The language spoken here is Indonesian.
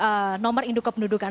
dan data dari nomor induk kependudukan